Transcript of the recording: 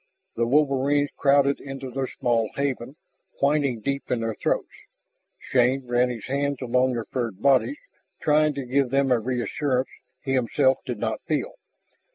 The wolverines crowded into their small haven, whining deep in their throats. Shann ran his hands along their furred bodies, trying to give them a reassurance he himself did not feel.